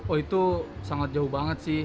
oh itu sangat jauh banget sih